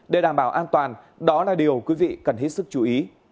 để đảm bảo an toàn đó là điều quý vị cần hết sức chú ý